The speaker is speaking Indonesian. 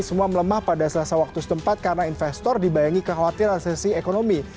semua melemah pada selasa waktu setempat karena investor dibayangi kekhawatiran sesi ekonomi